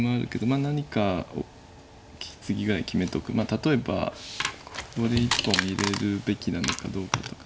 例えばここで１本入れるべきなのかどうかとか。